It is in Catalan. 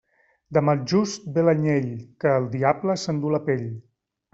De maljust ve l'anyell, que el diable s'enduu la pell.